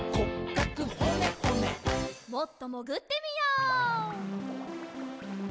もっともぐってみよう。